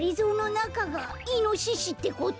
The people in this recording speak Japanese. なかがイノシシってこと？